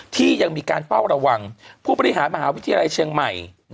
ที่ยังมีการเฝ้าระวังผู้บริหารมหาวิทยาลัยเชียงใหม่